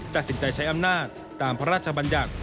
ตัดสินใจใช้อำนาจตามพระราชบัญญัติ